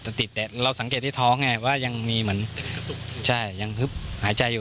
แต่ติดแต่เราสังเกตที่ท้องไงว่ายังมีเหมือนใช่ยังฮึบหายใจอยู่